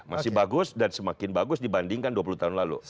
masih bagus dan semakin bagus dibandingkan dua puluh tahun lalu